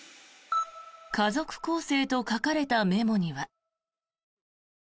「家族構成」と書かれたメモには。